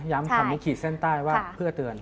คำนี้ขีดเส้นใต้ว่าเพื่อเตือน